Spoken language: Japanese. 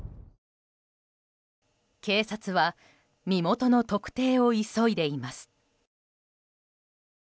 警察は身元の特定を急いでいます。